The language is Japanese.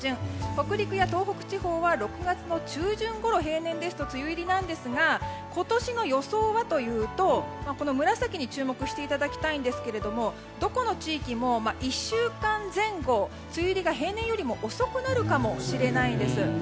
北陸や東北地方は６月の中旬ごろ平年ですと梅雨入りなんですが今年の予想はというと紫に注目していただきたいんですがどこの地域も１週間前後梅雨入りが平年より遅くなるかもしれないんです。